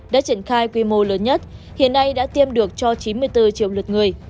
đã triển khai quy mô lớn nhất hiện nay đã tiêm được cho chín mươi bốn triệu lượt người